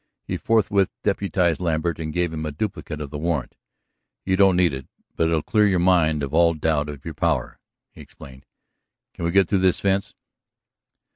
He forthwith deputized Lambert, and gave him a duplicate of the warrant. "You don't need it, but it'll clear your mind of all doubt of your power," he explained. "Can we get through this fence?"